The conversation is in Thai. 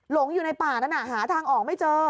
หลงอยู่ในป่านั้นหาทางออกไม่เจอ